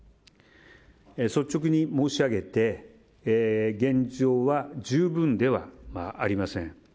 率直に申し上げて現状は十分ではありません。